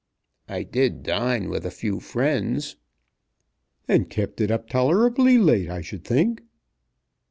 "I did dine with a few friends." "And kept it up tolerably late, I should think."